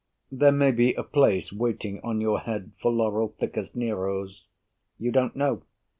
There may be a place waiting on your head For laurel thick as Nero's. You don't know.